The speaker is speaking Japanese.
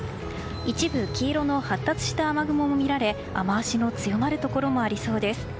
一部黄色の発達した雨雲も見られ雨脚の強まるところもありそうです。